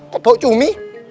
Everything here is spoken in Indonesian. kok bawa cumi